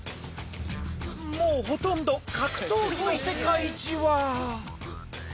もうほとんど格闘技の世界じわ。